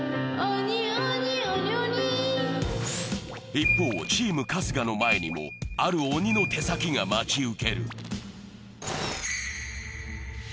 一方、チーム春日の前にもある鬼の手先が待ち受ける。